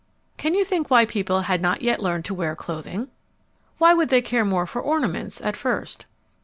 Can you think why people had not yet learned to wear clothing? Why would they care more for ornaments at first?